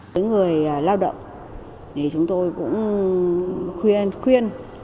tới người lao động chúng tôi cũng khuyên